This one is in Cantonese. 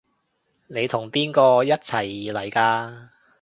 你同邊個一齊嚟㗎？